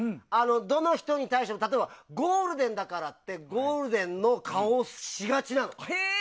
どの人に対しても、例えばゴールデンだからといってゴールデンの顔をしがちなの。